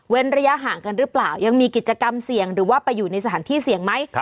ระยะห่างกันหรือเปล่ายังมีกิจกรรมเสี่ยงหรือว่าไปอยู่ในสถานที่เสี่ยงไหม